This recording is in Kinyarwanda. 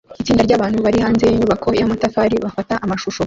Itsinda ryabantu bari hanze yinyubako yamatafari bafata amashusho